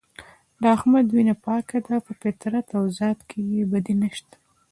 د احمد وینه پاکه ده په فطرت او ذات کې یې بدي نشته.